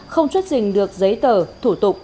không xuất dình được giấy tờ thủ tục